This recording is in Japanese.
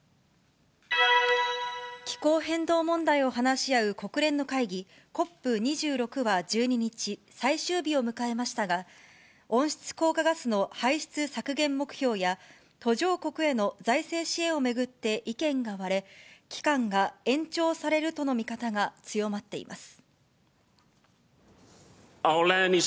気候変動問題を話し合う国連の会議、ＣＯＰ２６は１２日、最終日を迎えましたが、温室効果ガスの排出削減目標や、途上国への財政支援を巡って意見が割れ、期間が延長されるとの見方が強まっています。